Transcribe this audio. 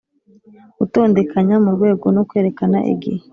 gutondekanya murwego no kwerekana igihe.